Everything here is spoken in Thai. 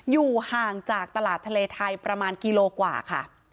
อยู่ห่างจากตลาดทะเลไทยประมาณกิโลกว่าค่ะ